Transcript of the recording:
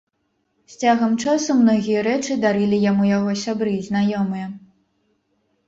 З цягам часу многія рэчы дарылі яму яго сябры, знаёмыя.